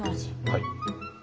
はい。